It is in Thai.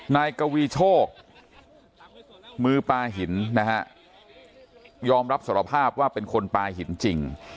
นายกวีโชคมือปลาหินนะฮะยอมรับสารภาพว่าเป็นคนปลาหินจริง